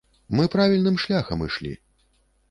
Мы правільным шляхам ішлі.